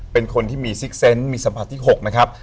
เป็นคนที่มีสิขเซ้นท์มีสมัติที่๖นะครับ